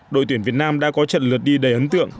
đội tuyển việt nam đã có trận lượt đi đầy ấn tượng